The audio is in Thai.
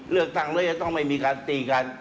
เลือกตั้งแล้วจะต้องไม่มีการตีกัน